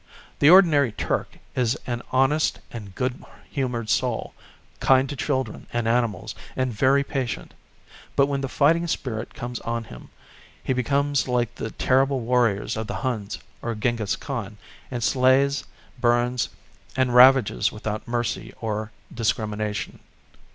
The ordinary Turk is an honest and good humoured soul, kind to children and animals, and very patient; but when the fighting spirit comes on him, he becomes like the terrible warriors of the Huns or Henghis Khan, and slays, burns and ravages without mercy or discrimination."